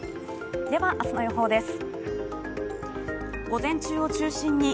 では、明日の予報です。